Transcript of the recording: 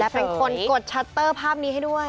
เป็นคนกดชัตเตอร์ภาพนี้ให้ด้วย